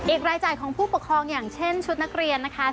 รายจ่ายของผู้ปกครองอย่างเช่นชุดนักเรียนนะคะ